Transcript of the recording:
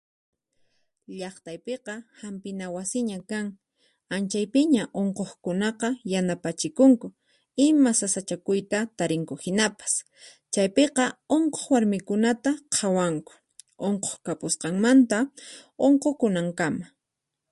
Llaqtaypiqa hampina wasiña kan, anchaypiña unquqkunaqa yanapachikunku ima sasachakuyta tarinku hinapas, chaypiqa unquq warmikunata qhawanku unquq kapusqanmanta unqukunankama.